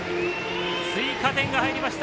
追加点が入りました